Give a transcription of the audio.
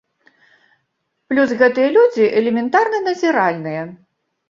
Плюс гэтыя людзі элементарна назіральныя.